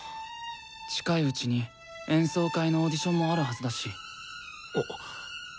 近いうちに演奏会のオーディションもあるはずだし。